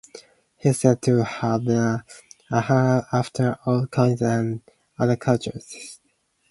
He is said to have been a hunter after old coins and other curiosities.